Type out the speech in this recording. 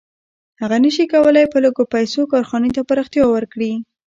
هغه نشي کولی په لږو پیسو کارخانې ته پراختیا ورکړي